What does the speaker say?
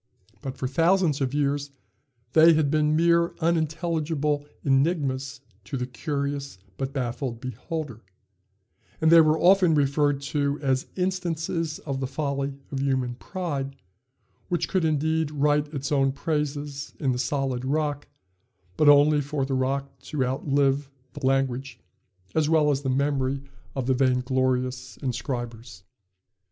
But for thousands of years they had been mere unintelligible enigmas to the curious but baffled beholder; and they were often referred to as instances of the folly of human pride, which could indeed write its own praises in the solid rock, but only for the rock to outlive the language as well as the memory of the vainglorious inscribers.